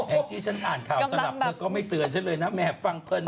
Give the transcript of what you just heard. แองจี้ฉันอ่านข่าวสลับเธอก็ไม่เตือนฉันเลยนะแม่ฟังเพลิน